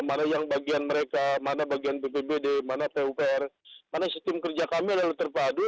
mana yang bagian mereka mana bagian bpbd mana pupr mana sistem kerja kami adalah terpadu